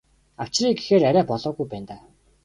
Авчиръя гэхээр арай болоогүй байна даа.